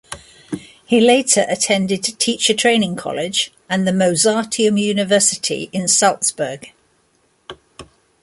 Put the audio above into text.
He later attended teacher training college and the Mozarteum University in Salzburg.